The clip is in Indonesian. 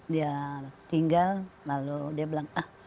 dia tinggal lalu dia bilang ah